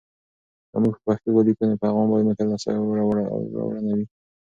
که موږ په پښتو ولیکو، نو پیغام به مو لاسته راوړنه لري.